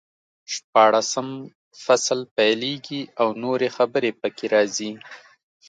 شپاړسم فصل پیلېږي او نورې خبرې پکې راځي.